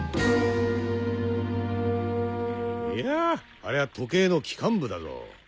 ありゃ時計の機関部だぞ。